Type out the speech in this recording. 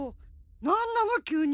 なんなのきゅうに？